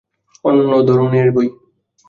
অন্য ধরনের বই।